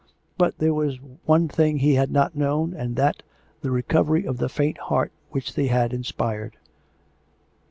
... But there was one thing he had not known, and that, the recovery of the faint heart which tlicy had inspirited.